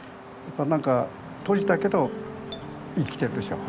何か閉じたけど生きてるでしょ。